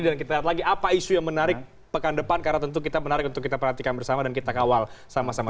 dan kita lihat lagi apa isu yang menarik pekan depan karena tentu kita menarik untuk kita perhatikan bersama dan kita kawal sama sama